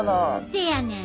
せやねん。